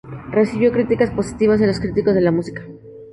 Recibió críticas positivas de los críticos de la música.